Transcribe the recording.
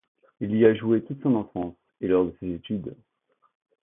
Il y a joué toute son enfance et lors de ses études.